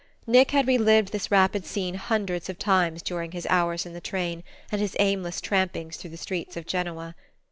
Nick had relived this rapid scene hundreds of times during his hours in the train and his aimless trampings through the streets of Genoa.